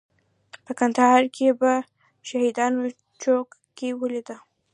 په کندهار کې په شهیدانو چوک کې ولیده.